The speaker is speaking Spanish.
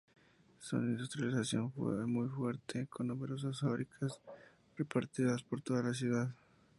Su industrialización fue muy fuerte, con numerosas fábricas repartidas por toda la ciudad.